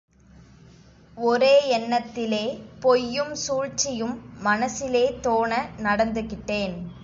ஒரே எண்ணத்திலே, பொய்யும் சூழ்ச்சியும் மனசிலே தோண நடந்துகிட்டேன்.